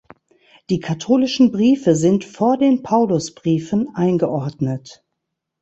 Die Katholischen Briefe sind vor den Paulusbriefen eingeordnet.